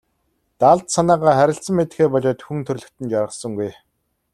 Далд санаагаа харилцан мэдэхээ болиод хүн төрөлхтөн жаргасангүй.